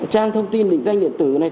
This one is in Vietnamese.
trang thông tin định danh điện tử này